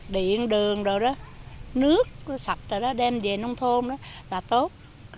điện đường nước sạch đem về nông thôn là tốt